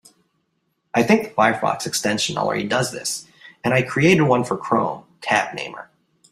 I think the Firefox extension already does this, and I created one for Chrome, Tab Namer.